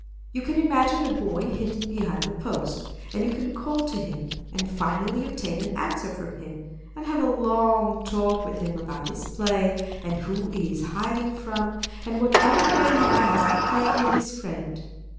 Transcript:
You can imagine a boy hidden behind the post, and you can call to him, and finally obtain an answer from him, and have a long talk with him about his play and who he is hiding from, and what other way he has of playing with his friend.